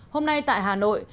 hôm nay tại hà nội